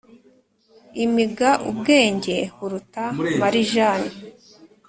Img ubwenge buruta marijani